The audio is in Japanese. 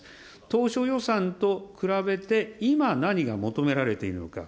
当初予算と比べて今何が求められているのか。